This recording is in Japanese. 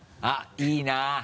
あっいいな。